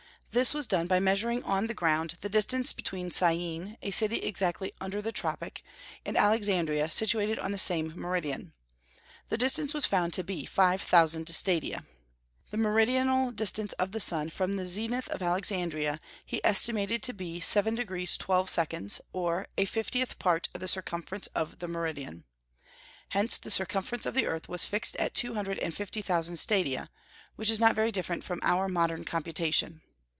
This was done by measuring on the ground the distance between Syene, a city exactly under the tropic, and Alexandria, situated on the same meridian. The distance was found to be five thousand stadia. The meridional distance of the sun from the zenith of Alexandria he estimated to be 7° 12', or a fiftieth part of the circumference of the meridian. Hence the circumference of the earth was fixed at two hundred and fifty thousand stadia, which is not very different from our modern computation.